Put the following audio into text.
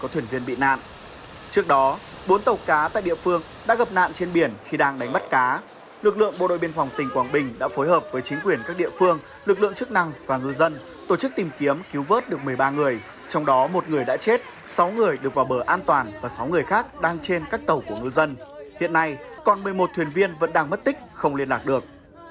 thuyền viên bị nạn trước đó bốn tàu cá tại địa phương đã gặp nạn trên biển khi đang đánh mất cá lực lượng bộ đội biên phòng tỉnh quảng bình đã phối hợp với chính quyền các địa phương lực lượng chức năng và ngư dân tổ chức tìm kiếm cứu vớt được một mươi ba người trong đó một người đã chết sáu người được vào bờ an toàn và sáu người khác đang trên các tàu của ngư dân hiện nay còn một mươi một thuyền viên vẫn đang mất tích không liên lạc được